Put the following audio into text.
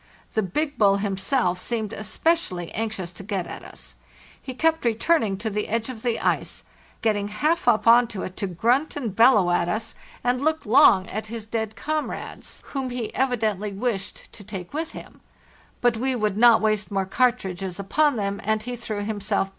The big bull himself seemed espe cially anxious to get at us; he kept returning to the edge of the ice, getting half up on to it to grunt and bel low at us and look long at his dead comrades, whom he LAND ° AT LAST 417 evidently wished to take with him. But we would not waste more cartridges upon them, and he threw himself